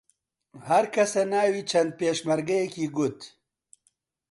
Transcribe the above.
هەر کەسە ناوی چەند پێشمەرگەیەکی گوت